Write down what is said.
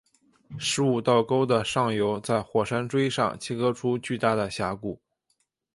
十五道沟的上游在火山锥上切割出巨大的峡谷。